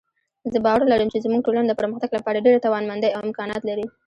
زه باور لرم چې زموږ ټولنه د پرمختګ لپاره ډېره توانمندۍ او امکانات لري